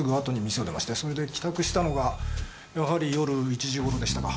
それで帰宅したのがやはり夜１時頃でしたか。